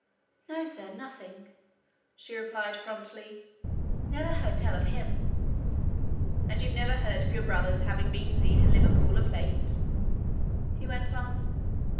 "No, sir, nothing!" she replied promptly. "Never heard tell of him!" "And you've never heard of your brother's having been seen in Liverpool of late?" he went on.